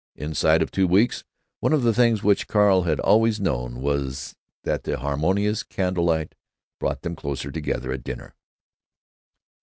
Inside of two weeks one of the things which Carl Ericson had always known was that the harmonious candle light brought them close together at dinner.